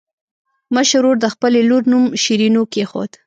مشر ورور د خپلې لور نوم شیرینو کېښود.